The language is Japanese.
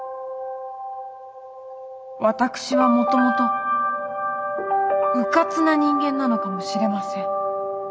私はもともとうかつな人間なのかもしれません。